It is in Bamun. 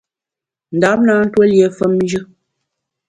Ndam na ntuó lié femnjù.